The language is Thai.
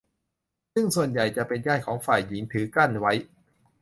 ซึ่งส่วนใหญ่จะเป็นญาติของฝ่ายหญิงถือกั้นไว้